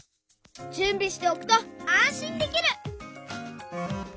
じゅんびしておくとあんしんできる！